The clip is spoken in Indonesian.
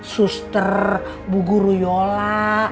suster bu guru yola